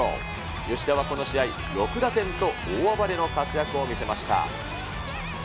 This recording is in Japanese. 吉田はこの試合、６打点と大暴れの活躍を見せました。